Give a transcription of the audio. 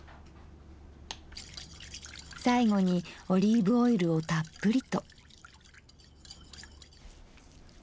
最後にオリーブオイルをたっぷりと。